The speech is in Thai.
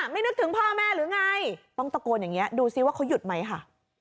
นึกถึงพ่อแม่หรือไงต้องตะโกนอย่างนี้ดูซิว่าเขาหยุดไหมค่ะ